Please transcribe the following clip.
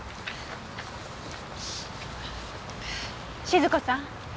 静子さん。